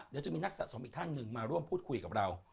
เดี๋ยวจะมีนักสะสมอีกท่านหนึ่งมาร่วมพูดคุยกับเรา